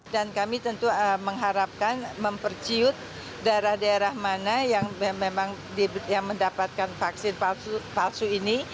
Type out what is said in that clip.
dan kami tentu mengharapkan memperciut daerah daerah mana yang memang mendapatkan vaksin palsu ini